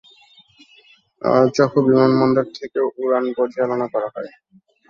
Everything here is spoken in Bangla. চোফু বিমানবন্দর থেকে উড়ান পরিচালনা করা হয়।